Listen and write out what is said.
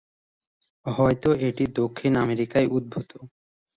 হয়ত এটি দক্ষিণ আমেরিকায় উদ্ভূত।